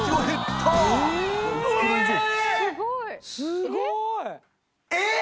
すごい！えっ？